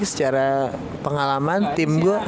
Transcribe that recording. secara pengalaman tim gue